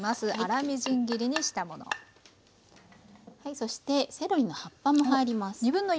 そしてセロリの葉っぱも入ります。